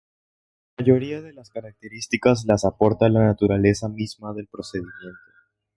La mayoría de las características las aporta la naturaleza misma del procedimiento.